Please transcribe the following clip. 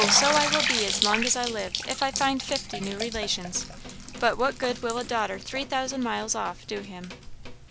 so I will be as long as I live, if I find fifty new relations. But what good will a daughter three thousand miles off do him?"